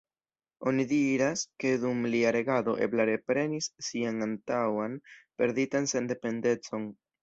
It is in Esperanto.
Oni diras ke dum lia regado, Ebla reprenis sian antaŭan perditan sendependecon.